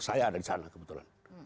saya ada di sana kebetulan